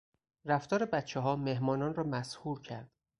رفتار بچهها مهمانان را مسحور کرد.